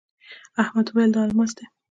احمد وويل: دا الماس دی.